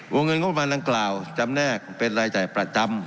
วงเงินงบประมาณดังกล่าวจำแนกเป็นรายจ่ายประจำ